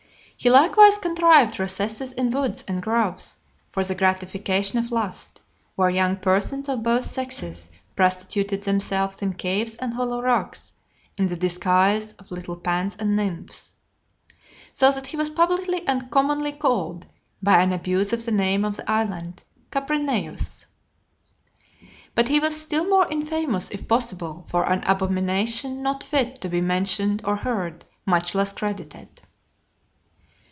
He likewise contrived recesses in woods and groves for the gratification of lust, where young persons of both sexes prostituted themselves in caves and hollow rocks, in the disguise of little Pans and Nymphs . So that he was publicly and commonly called, by an abuse of the name of the island, Caprineus. XLIV. But he was still more infamous, if possible, for an (220) abomination not fit to be mentioned or heard, much less credited.